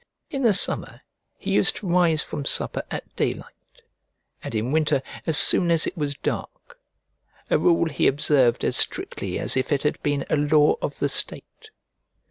In the summer he used to rise from supper at daylight, and in winter as soon as it was dark: a rule he observed as strictly as if it had been a law of the state.